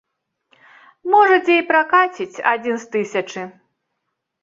Можа дзе і пракаціць адзін з тысячы.